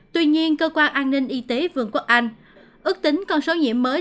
tuy nhiên cơ quan an ninh y tế vườn quốc anh ước tính con số nhiễm mới